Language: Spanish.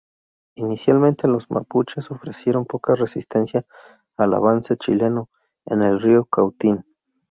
Inicialmente, los mapuches ofrecieron poca resistencia al avance chileno en el río Cautín.